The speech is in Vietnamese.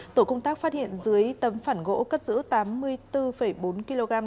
tổ công tác phát hiện dưới tấm phản gỗ cất giữ tám mươi bốn bốn kg